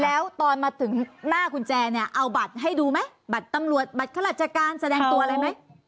แล้วตอนมาถึงหน้ากุญแจเนี่ยเอาบัตรให้ดูไหมบัตรตำรวจบัตรข้าราชการแสดงตัวอะไรไหม